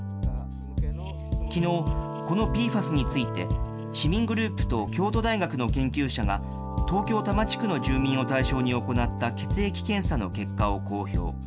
きのう、このＰＦＡＳについて、市民グループと京都大学の研究者が、東京・多摩地区の住民を対象に行った血液検査の結果を公表。